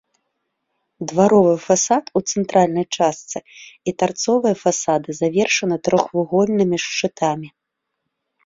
Дваровы фасад у цэнтральнай частцы і тарцовыя фасады завершаны трохвугольнымі шчытамі.